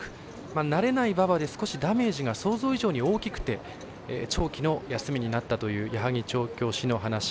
慣れない馬場で、少しダメージが想像以上に大きくて長期の休みになったという矢作調教師の話。